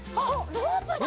ロープだ！